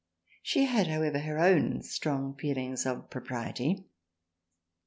She had however her own strong feelings of propriety.